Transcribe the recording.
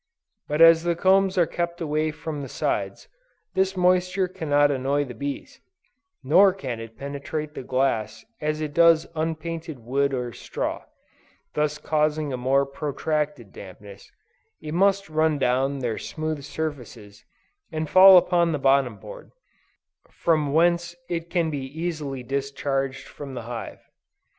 But as the combs are kept away from the sides, this moisture cannot annoy the bees; nor can it penetrate the glass as it does unpainted wood or straw, thus causing a more protracted dampness; it must run down their smooth surfaces, and fall upon the bottom board, from whence it can be easily discharged from the hive.